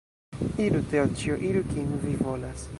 Iru, Teodĉjo, iru, kien vi volas!